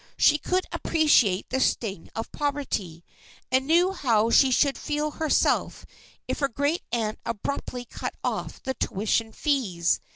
She could appreciate the sting of poverty, and knew how she should feel herself if her great aunt abruptly cut off the tuition fees.